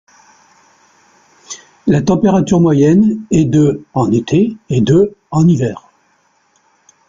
La température moyenne y est de en été et de en hiver.